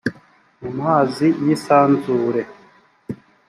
mu mazi y isanzure